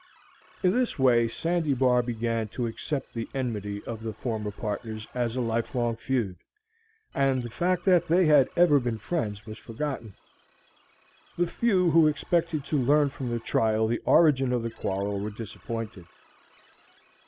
In this way Sandy Bar began to accept the enmity of the former partners as a lifelong feud, and the fact that they had ever been friends was forgotten. The few who expected to learn from the trial the origin of the quarrel were disappointed.